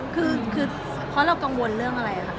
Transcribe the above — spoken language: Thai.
คือเพราะเรากังวลเรื่องอะไรค่ะ